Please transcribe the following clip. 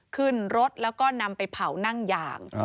ขึ้นรถแล้วก็นำไปเผานั่งยาง